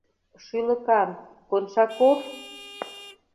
— Шӱлыкан, Коншаков!